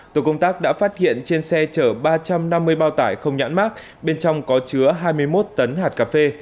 tổ công tác đã phát hiện trên xe chở ba trăm năm mươi bao tải không nhãn mát bên trong có chứa hai mươi một tấn hạt cà phê